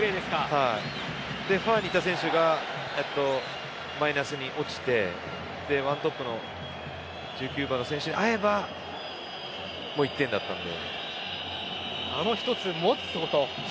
ファーにいた選手がマイナスに落ちて１トップの１９番の選手に合えば、もう１点だったので。